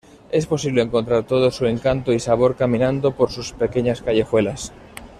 Es posible encontrar todo su encanto y sabor caminando por sus pequeñas callejuelas.